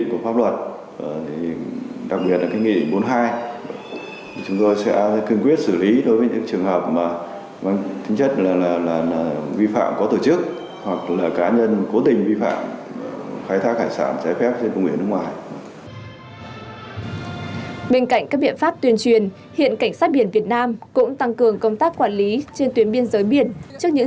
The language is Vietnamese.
vừa thăm hỏi tặng quà bà con nhân dân như hoạt động em yêu biển đảo quê hương